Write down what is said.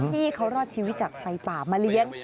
ที่เขารอดชีวิตจากไฟป่ามาเลี้ยง